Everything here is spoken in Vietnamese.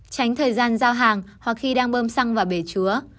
tránh thời gian giao hàng hoặc khi đang bơm xăng vào bể chứa